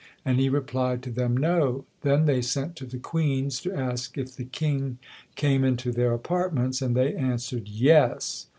and he replied to them, No! Then they sent to the queens, to ask if the king came into their apartments? and they answered, Yes!